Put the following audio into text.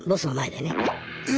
え？